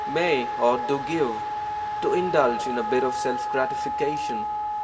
[May or do give — to indulge in a bit of self gratification.